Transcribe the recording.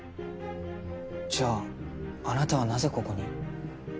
じゃああなたはなぜここに？